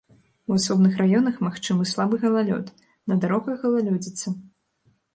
У асобных раёнах магчымы слабы галалёд, на дарогах галалёдзіца.